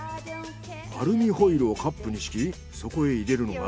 アルミホイルをカップに敷きそこへ入れるのが。